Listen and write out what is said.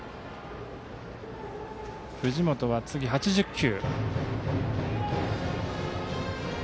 藤本は次、８０球。